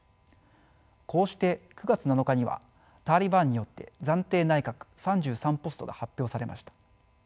こうして９月７日にはタリバンによって暫定内閣３３ポストが発表されました。